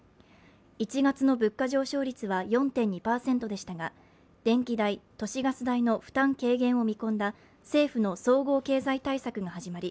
１月の物価上昇率は４．２％でしたが電気代、都市ガス代の負担軽減を見込んだ政府の総合経済対策が始まり